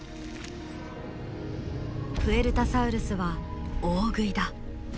プエルタサウルスは大食いだ。